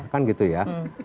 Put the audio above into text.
kan gitu ya